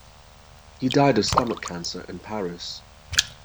He died of stomach cancer in Paris.